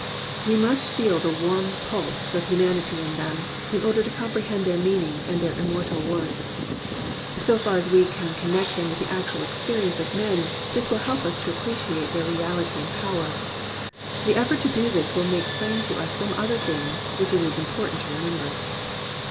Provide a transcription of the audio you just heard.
We must feel the warm pulse of humanity in them in order to comprehend their meaning and immortal worth. So far as we can connect them with the actual experience of men, this will help us to appreciate their reality and power. The effort to do this will make plain to us some other things which it is important to remember.